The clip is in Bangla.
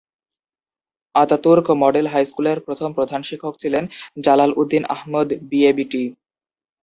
আতাতুর্ক মডেল হাইস্কুলের প্রথম প্রধান শিক্ষক ছিলেন জালালউদ্দিন আহমেদ বিএবিটি।